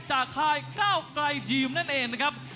จากคลายแก้วไกลจีมนั่นเองนะครับ